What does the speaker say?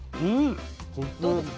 どうですか？